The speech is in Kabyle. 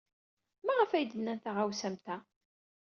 Maɣef ay d-nnan taɣawsa am ta?